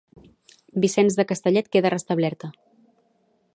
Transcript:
Vicenç de Castellet queda restablerta.